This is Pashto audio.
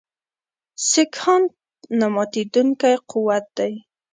سیکهان نه ماتېدونکی قوت دی.